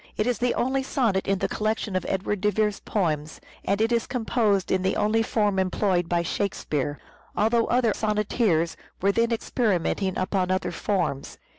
It is the only sonnet in the collection of Edward de Vere's poems, and it is composed in the POETIC SELF REVELATION 455 only form employed by Shakespeare, altough other Oxford's sonneteers were then experimenting upon other forms.